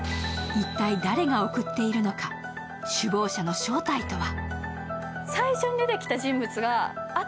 一体、誰が送っているのか首謀者の正体とは。